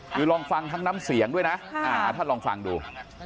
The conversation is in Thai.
จริงลองฟังทั้งดัง่้ำเสียงด้วยนะถ้าลองฟังดู